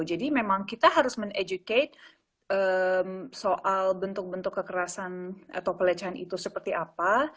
jadi memang kita harus men educate soal bentuk bentuk kekerasan atau pelecehan itu seperti apa